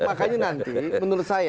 makanya nanti menurut saya